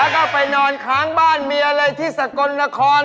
แล้วก็ไปนอนค้างบ้านเมียเลยที่สกลนคร